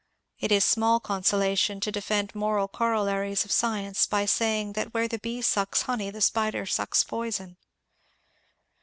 It is small consolation to defend moral corollaries of science by saying that where the bee sucks honey the spider sucks poison.